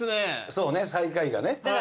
そうね最下位がね。